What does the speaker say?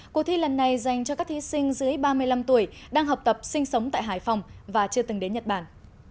cuộc thi lần này dành cho các thí sinh dưới ba mươi năm tuổi đang học tập sinh sống tại hải phòng và chưa từng đến nhật bản